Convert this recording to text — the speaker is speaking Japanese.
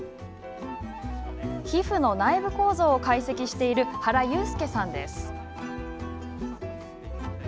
皮膚の内部構造を解析している原祐輔さんです。